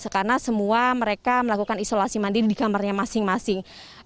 karena semua mereka melakukan isolasi mandiri di kamarnya masing masing